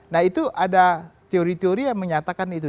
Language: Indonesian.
nah itu ada teori teori yang menyatakan itu